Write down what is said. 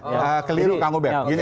ya keliru kang ubed gini